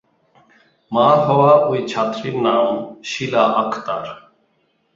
মা হওয়া ওই ছাত্রীর নাম শীলা আক্তার।